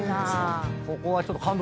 ここはちょっと。